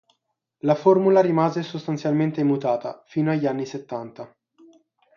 La formula rimase sostanzialmente immutata fino agli anni settanta.